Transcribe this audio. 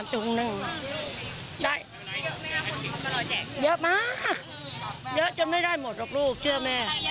มีอะไรบ้างคะที่เขามาแจก